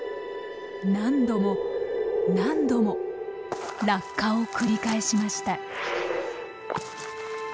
何度も何度も落下を繰り返しました。